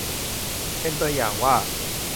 เป็นตัวอย่างว่า